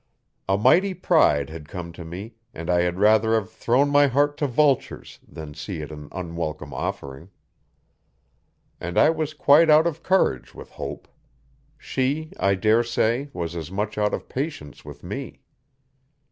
A mighty pride had come to me and I had rather have thrown my heart to vultures than see it an unwelcome offering. And I was quite out of courage with Hope; she, I dare say, was as much out of patience with me.